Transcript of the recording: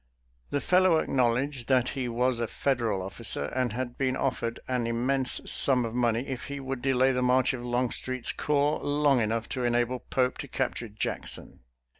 The fellow acknowledged that he was a Federal oflfi cer and had been offered an immense sum of money if he would delay the march of Long street's corps long enough to enable Pope to cap ture Jackson.